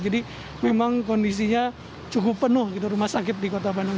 jadi memang kondisinya cukup penuh rumah sakit di kota bandung